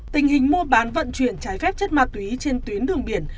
tình hình mua bán vận chuyển trái phép chất ma túy trên tuyến đường biển